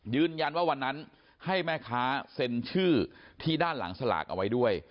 ยืนยันว่าวันนั้นให้แม่ค้าเซ็นชื่อที่ด้านหลังสลากเอาไว้ด้วย